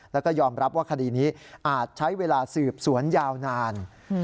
แล้วก็ยอมรับว่าคดีนี้อาจใช้เวลาสืบสวนยาวนาน